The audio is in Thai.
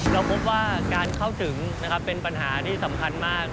เราพบว่าการเข้าถึงนะครับเป็นปัญหาที่สำคัญมาก